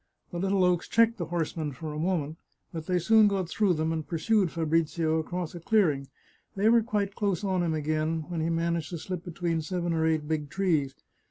The little oaks checked the horsemen for a moment, but they soon got through them and pursued Fabrizio across a clearing. They were quite close on him again when he managed to slip between seven or eight big trees.